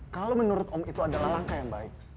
kalau menurut om itu adalah langkah yang baik